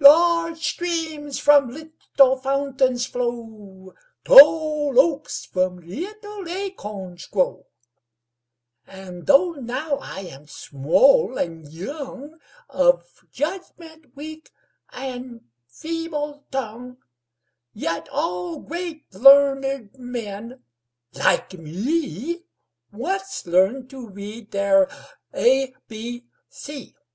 Large streams from little fountains flow, Tall oaks from little acorns grow; And though now I am small and young, Of judgment weak and feeble tongue, Yet all great, learned men, like me Once learned to read their ABC.